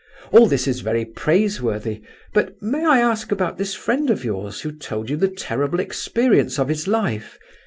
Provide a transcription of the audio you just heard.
All this is very praiseworthy; but may I ask about this friend of yours, who told you the terrible experience of his life?